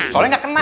soalnya gak kena